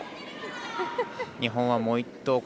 日本はもう１投